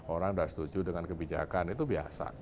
orang sudah setuju dengan kebijakan itu biasa